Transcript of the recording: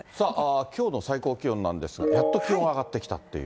きょうの最高気温なんですが、やっと気温が上がってきたという。